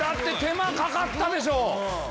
手間かかったでしょう？